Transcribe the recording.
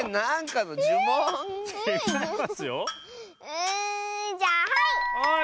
うんじゃあはい！